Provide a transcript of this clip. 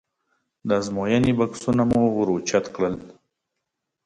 د ازموینې بکسونه مو ور اوچت کړل.